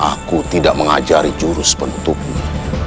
aku tidak mengajari jurus penutupmu